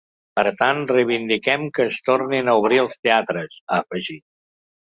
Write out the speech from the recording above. Per tant, reivindiquem que es tornin a obrir els teatres, ha afegit.